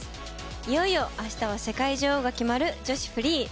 いよいよあしたは世界女王が決まる女子フリー。